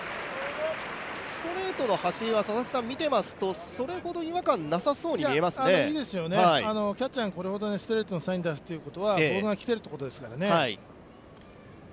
ストレートの走りを見ていますけどそれほど違和感なさそうですねいいですよね、キャッチャーがこれほどストレートのサインを出すということはボールが来ているということですからね。